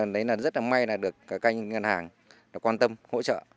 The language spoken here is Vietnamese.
đấy là rất là may được cả cành ngân hàng quan tâm hỗ trợ